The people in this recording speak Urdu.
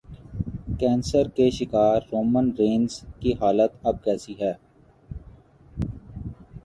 کینسر کے شکار رومن رینز کی حالت اب کیسی ہے